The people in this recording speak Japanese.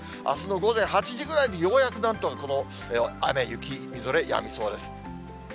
あすの午前８時ぐらいにようやくなんとかこの雨、雪、みぞれ、やみそうです。